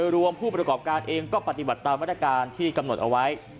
ร้านเองก็ปฏิบัติตามรายการที่กำหนดเอาไว้